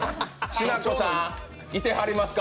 しなこさん、いてはりますか？